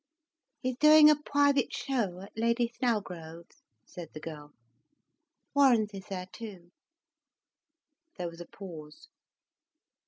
"He's doing a private show at Lady Snellgrove's," said the girl. "Warens is there too." There was a pause.